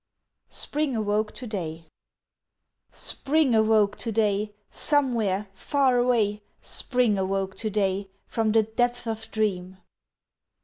Spring Awoke To Day SPRING awoke to day! Somewhere far away Spring awoke to day From the depth of dream.